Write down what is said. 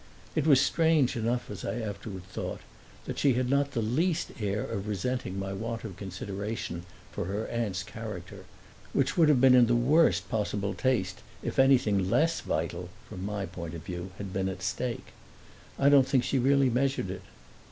It was strange enough, as I afterward thought, that she had not the least air of resenting my want of consideration for her aunt's character, which would have been in the worst possible taste if anything less vital (from my point of view) had been at stake. I don't think she really measured it.